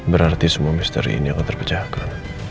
berarti semua misteri ini akan terpecahkan